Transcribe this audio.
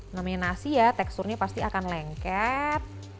namanya nasi ya teksturnya pasti akan lengket